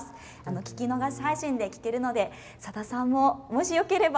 聞き逃し配信で聞けるのでさださんも、もしよければ